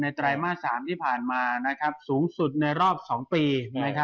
ไตรมาส๓ที่ผ่านมาสูงสุดในรอบ๒ปี